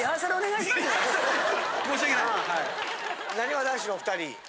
なにわ男子のお２人。